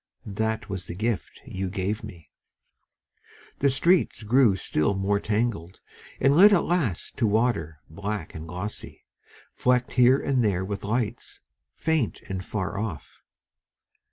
That was the gift you gave me. ... The streets grew still more tangled, And led at last to water black and glossy, Flecked here and there with lights, faint and far off.